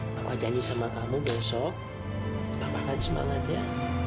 papa janji sama kamu besok papa kan semangat ya